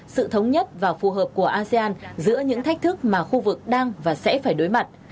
sự thống nhất và phù hợp của asean giữa những thách thức mà khu vực đang và sẽ phải đối mặt